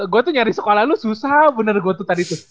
gue tuh nyari sekolah lu susah bener gue tuh tadi tuh